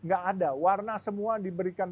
gak ada warna semua diberikan